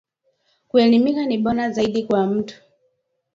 Kuelimika ni bora zaidi kwa mtu